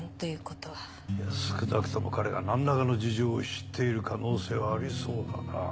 いや少なくとも彼がなんらかの事情を知っている可能性はありそうだな。